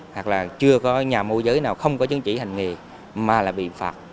hoặc là chưa có nhà môi giới nào không có chứng chỉ hành nghề mà là bị phạt